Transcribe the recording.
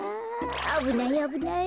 あぶないあぶない。